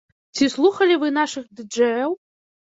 Ці слухалі вы нашых ды-джэяў?